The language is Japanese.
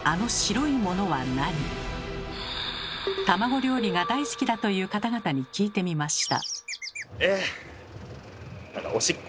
卵料理が大好きだという方々に聞いてみました。